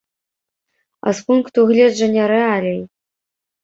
А з пункту гледжання рэалій?